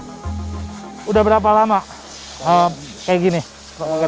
sudah berapa lama yang sedang diperlukan